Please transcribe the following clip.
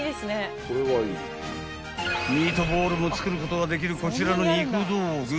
［ミートボールも作ることができるこちらの肉道具］